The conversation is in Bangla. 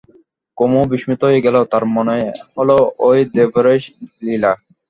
কুমু বিস্মিত হয়ে গেল, তার মনে হল এ দৈবেরই লীলা।